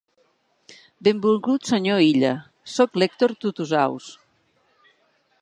Benvolgut senyor Illa, sóc l'Èctor Tutusaus.